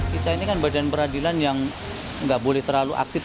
kita ini kan badan peradilan yang nggak boleh terlalu aktif